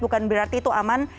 bukan berarti itu aman